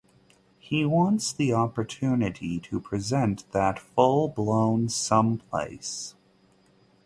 He wants the opportunity to present that full-blown someplace.